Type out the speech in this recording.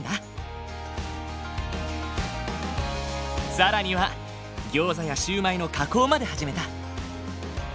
更にはギョーザやシューマイの加工まで始めた。